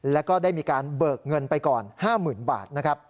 แล้วก็ได้มีการเบิกเงินไปก่อน๕๐๐๐บาทนะครับ